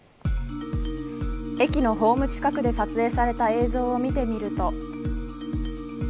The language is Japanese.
駅のホーム近くで撮影された映像を見てみると。